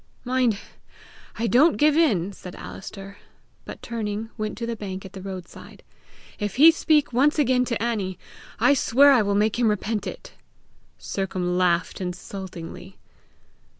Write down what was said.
"Mind, I don't give in!" said Alister, but turning went to the bank at the roadside. "If he speak once again to Annie, I swear I will make him repent it!" Sercombe laughed insultingly.